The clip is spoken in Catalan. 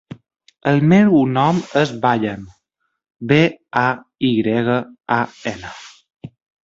El meu nom és Bayan: be, a, i grega, a, ena.